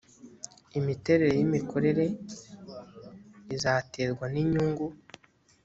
imiterere y imikorere izaterwa ninyungu